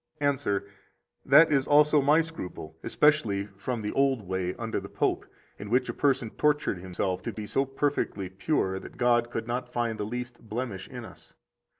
Answer: That is also my scruple, especially from the old way under the Pope, in which a person tortured himself to be so perfectly pure that God could not find the least blemish in us.